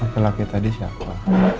laki laki tadi siapa